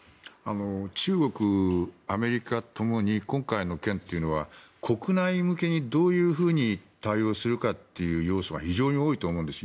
中国、アメリカともに今回の件というのは国内向けに、どういうふうに対応するかって要素が非常に多いと思うんです。